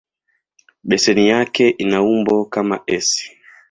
Beseni yake ina umbo kama "S".